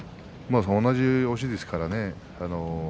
同じ押しですからね。